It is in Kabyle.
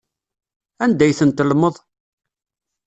Anda ay ten-tellmeḍ?